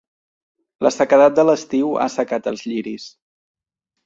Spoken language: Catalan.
La sequedat de l'estiu ha assecat els lliris.